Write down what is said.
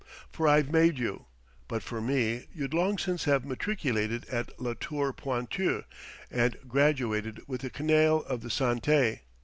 For I've made you: but for me you'd long since have matriculated at La Tour Pointue and graduated with the canaille of the Santé.